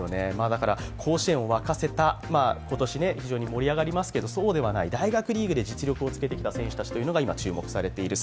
だから甲子園を沸かせた今年非常に盛り上がりますけれども、そうではない大学リーグで実力をつけてきた選手たちが今、注目されている。